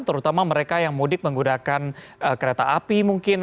terutama mereka yang mudik menggunakan kereta api mungkin